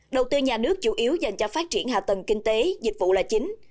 đầu tư nhà nước chủ yếu dành cho phát triển hạ tầng kinh tế dịch vụ là chính